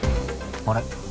あれ？